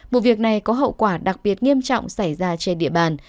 vụ việc này có hậu quả đặc biệt nghiêm trọng xảy ra trên địa bàn